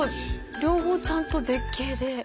両方ちゃんと絶景で。